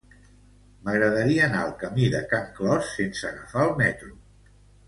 M'agradaria anar al camí de Can Clos sense agafar el metro.